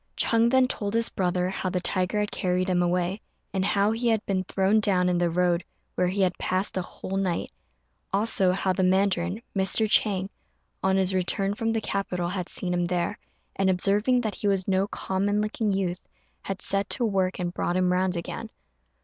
Ch'êng then told his brother how the tiger had carried him away, and how he had been thrown down in the road, where he had passed a whole night; also how the mandarin, Mr. Chang, on his return from the capital, had seen him there, and, observing that he was no common looking youth, had set to work and brought him round again.